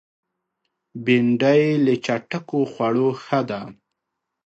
بېنډۍ له چټکو خوړو ښه ده